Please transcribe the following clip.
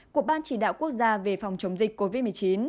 của ban chỉ đạo quốc gia về phòng chống dịch covid một mươi chín